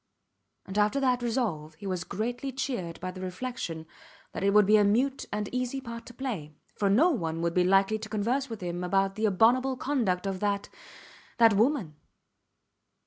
And after that resolve he was greatly cheered by the reflection that it would be a mute and an easy part to play, for no one would be likely to converse with him about the abominable conduct of that woman.